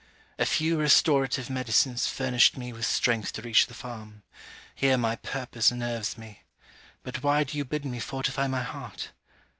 A few restorative medicines furnished me with strength to reach the farm. Here my purpose nerves me. But why do you bid me fortify my heart?